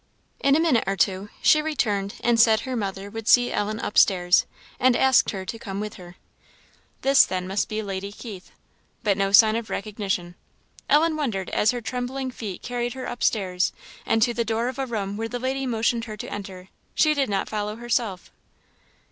In a minute or two she returned, and said her mother would see Ellen upstairs, and asked her to come with her. This, then, must be Lady Keith, but no sign of recognition. Ellen wondered, as her trembling feet carried her upstairs, and to the door of a room where the lady motioned her to enter; she did not follow herself.